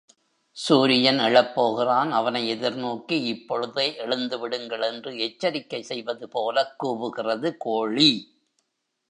சூரியன் எழப் போகிறான் அவனை எதிர்நோக்கி இப்பொழுதே எழுந்துவிடுங்கள் என்று எச்சரிக்கை செய்வது போலக் கூவுகிறது கோழி.